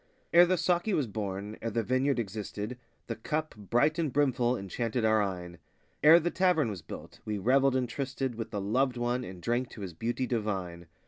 Ere the saki was born, ere the vineyard existed, The cup, bright and brimful, enchanted our eyne; Ere the tavern was built, we revelled and trysted With the loved One and drank to his beauty divine.